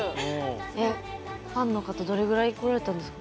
えファンの方どれぐらい来られたんですか？